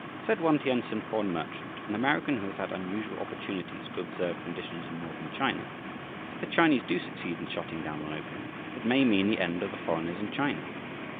Said one Tientsin foreign merchant, an American who has had unusual opportunities to observe conditions in Northern China: "If the Chinese do succeed in shutting down on opium, it may mean the end of the foreigners in China.